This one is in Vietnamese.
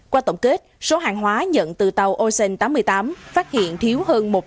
qua tổng kết số hàng hóa nhận từ tàu ocean tám mươi tám phát hiện trên tàu hồ chí minh